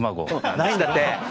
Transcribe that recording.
ないんだって。